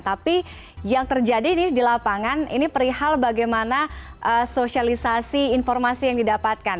tapi yang terjadi di lapangan ini perihal bagaimana sosialisasi informasi yang didapatkan